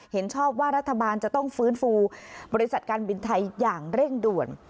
เห็นชอบว่ารัฐบาลจะต้องฟื้นฟูบริษัทการบินไทยอย่างเร่งด่วน